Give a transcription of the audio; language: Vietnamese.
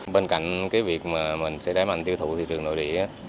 bên cạnh việc mình sẽ đáy mạnh tiêu thụ thị trường nội địa